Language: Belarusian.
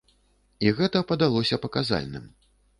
І гэта падалося паказальным.